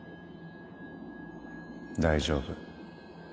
大丈夫。